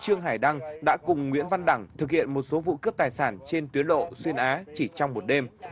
trương hải đăng đã cùng nguyễn văn đẳng thực hiện một số vụ cướp tài sản trên tuyến lộ xuyên á chỉ trong một đêm